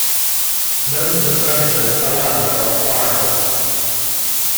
Known to the French as "Allada" or "Ardres".